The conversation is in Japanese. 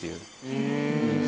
へえ。